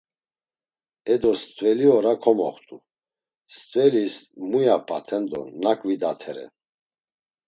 E do stveli ora komoxtu, stvelis muya p̌aten do nak vidatere.